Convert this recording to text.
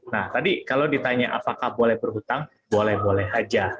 nah tadi kalau ditanya apakah boleh berhutang boleh boleh aja